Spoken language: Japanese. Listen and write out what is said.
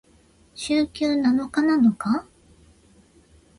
週休七日なのか？